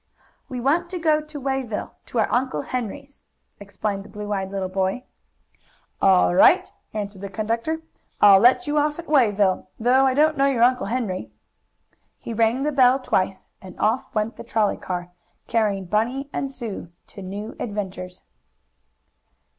"We want to go to Wayville, to our Uncle Henry's," explained the blue eyed little boy. "All right," answered the conductor. "I'll let you off at Wayville, though I don't know your Uncle Henry." He rang the bell twice, and off went the trolley car, carrying Bunny and Sue to new adventures.